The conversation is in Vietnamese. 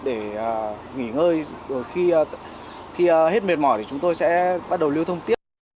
để nghỉ ngơi khi hết mệt mỏi thì chúng tôi sẽ bắt đầu lưu thông tiếp